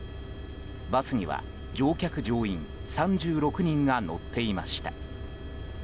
バスには乗客・乗員３６人が乗っていました。